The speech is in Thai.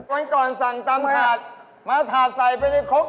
วันก่อนสั่งตำถาดมาถาดใส่ไปในครก